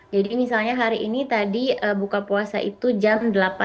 jadi misalnya hari ini tadi buka puasa itu jam delapan tiga puluh